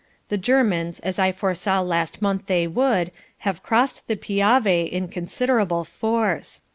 The Germans, as I foresaw last month they would, have crossed the Piave in considerable force.